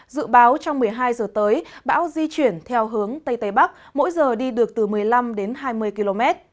dự báo trong một mươi hai giờ tới bão di chuyển theo hướng tây tây bắc mỗi giờ đi được từ một mươi năm đến hai mươi km